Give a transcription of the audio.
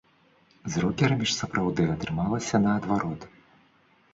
З рокерамі ж сапраўды атрымалася наадварот.